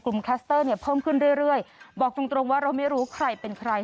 คลัสเตอร์เนี่ยเพิ่มขึ้นเรื่อยเรื่อยบอกตรงตรงว่าเราไม่รู้ใครเป็นใคร